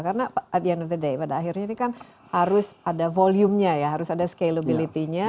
karena at the end of the day pada akhirnya ini kan harus ada volume nya ya harus ada scalability nya